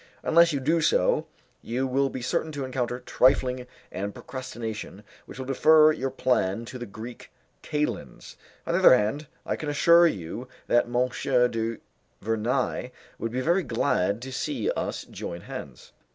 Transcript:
Unless you do so, you will be certain to encounter trifling and procrastination which will defer your plan to the Greek Kalends. On the other hand, I can assure you that M. du Vernai would be very glad to see us join hands."